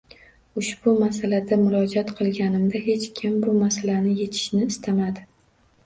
Ushbu masalada murojaat qilganimda hech kim bu masalani yechishni istamadi.